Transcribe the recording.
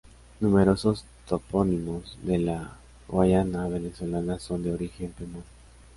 Numerosos topónimos de la Guayana venezolana son de origen pemón.